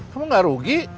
kamu gak rugi